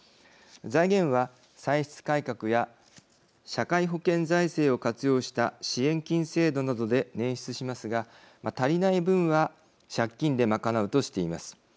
財源は、歳出改革や社会保険財政を活用した支援金制度などで捻出しますが足りない分は借金で賄うとしています。